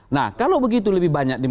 nah kalau begitu lebih banyak